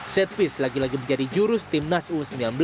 set piece lagi lagi menjadi jurus tim nas u sembilan belas